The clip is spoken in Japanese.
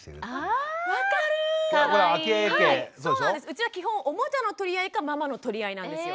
うちは基本おもちゃの取り合いかママの取り合いなんですよ。